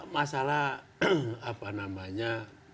masalah apa namanya